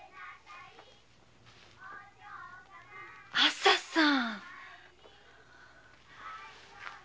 朝さん。